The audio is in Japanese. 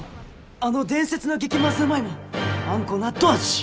あの伝説の激マズウマイもんあんこ納豆味！